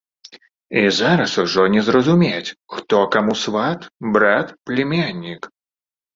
І зараз ужо не зразумець, хто каму сват, брат, пляменнік.